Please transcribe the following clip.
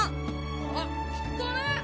あっきったねえ！